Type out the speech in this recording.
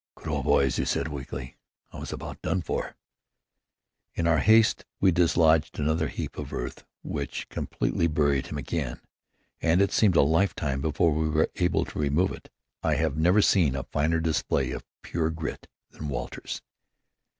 "Good old boys," he said weakly; "I was about done for." In our haste we dislodged another heap of earth which completely buried him again, and it seemed a lifetime before we were able to remove it. I have never seen a finer display of pure grit than Walter's.